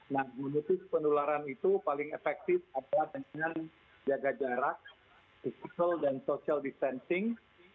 nah menutup penularan itu paling efektif adalah dengan jaga jarak physical dan social distancing